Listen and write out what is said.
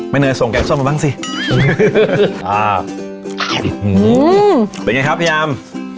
ไม่เนยท่องแกงซ่อมมาบ้างสิอื้อเป็นไงครับพี่ยาม